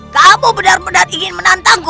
karena akulah yang akan minasakanmu